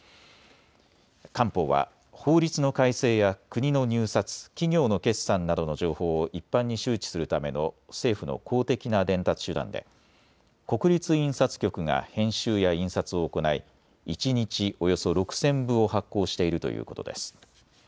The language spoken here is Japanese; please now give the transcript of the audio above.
官報は法律の改正や国の入札、企業の決算などの情報を一般に周知するための政府の公的な伝達手段で国立印刷局が編集や印刷を行い一日およそ６０００部を発行しているということです。